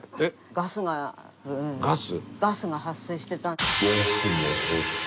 ガスが発生してた。